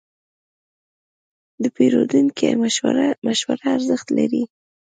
د پیرودونکي مشوره ارزښت لري.